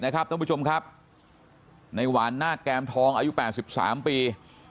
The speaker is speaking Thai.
นะครับท่านผู้ชมครับในหวานหน้าแกรมทองอายุ๘๓ปี